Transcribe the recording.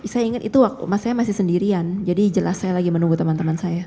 saya ingat itu waktu saya masih sendirian jadi jelas saya lagi menunggu teman teman saya